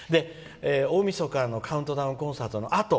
大みそかのカウントダウンコンサートのあと